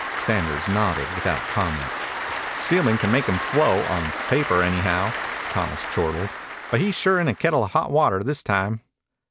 Sanders nodded, without comment. "Steelman can make 'em flow, on paper anyhow," Thomas chortled. "But he's sure in a kettle of hot water this time."